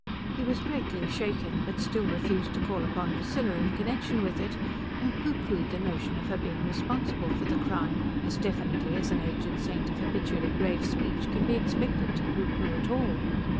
He was greatly shaken, but still refused to call upon Priscilla in connection with it, and pooh poohed the notion of her being responsible for the crime as definitely as an aged saint of habitually grave speech can be expected to pooh pooh at all.